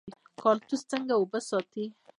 کاکتوس څنګه اوبه ساتي؟